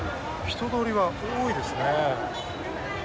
人通りは多いですね。